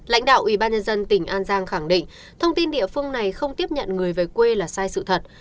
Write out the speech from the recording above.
lãnh đạo ủy ban nhân dân tỉnh an giang khẳng định thông tin địa phương này không tiếp nhận người về quê là sai sự thật